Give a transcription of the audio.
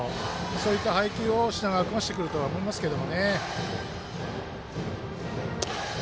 そういった配球を品川君はしてくると思いますけど。